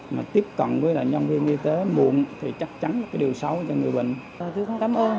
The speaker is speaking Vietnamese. mà tiếp cận với là nhân viên y tế muộn thì chắc chắn cái điều xấu cho người bệnh tôi cũng cảm ơn